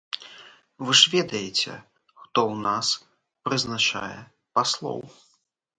Вы ж ведаеце, хто ў нас прызначае паслоў!